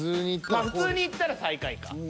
まあ普通にいったら最下位か。